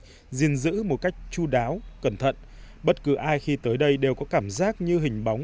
được gìn giữ một cách chú đáo cẩn thận bất cứ ai khi tới đây đều có cảm giác như hình bóng